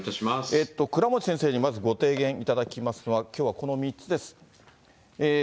倉持先生にまずご提言いただきますのは、きょうはこの３つです。